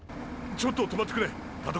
ちょっと止まってくれ田所！